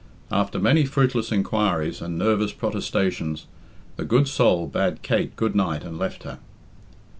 After many fruitless inquiries and nervous protestations, the good soul bade Kate good night and left her.